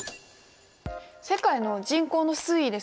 世界の人口の推移です。